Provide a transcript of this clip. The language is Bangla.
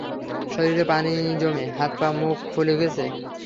শরীরে পানি জমে হাত-পা-মুখ ফুলে গেছে।